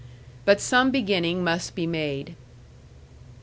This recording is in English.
But some beginning must be made.